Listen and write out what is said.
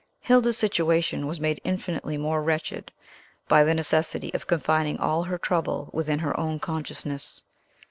Hilda's situation was made infinitely more wretched by the necessity of Confining all her trouble within her own consciousness.